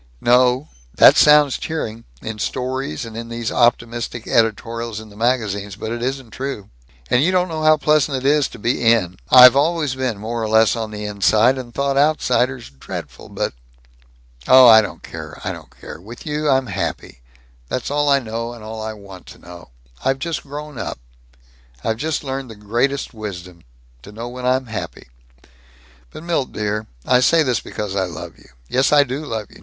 "No. That sounds cheering, in stories and these optimistic editorials in the magazines, but it isn't true. And you don't know how pleasant it is to be In. I've always been more or less on the inside, and thought outsiders dreadful. But Oh, I don't care! I don't care! With you I'm happy. That's all I know and all I want to know. I've just grown up. I've just learned the greatest wisdom to know when I'm happy. But, Milt dear I say this because I love you. Yes, I do love you.